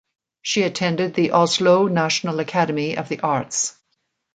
She attended the Oslo National Academy of the Arts.